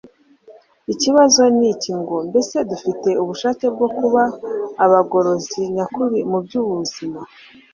ikibazo ni iki ngo, mbese dufite ubushake bwo kuba abagorozi nyakuri mu by'ubuzima